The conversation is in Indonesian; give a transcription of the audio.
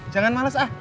jangan males ah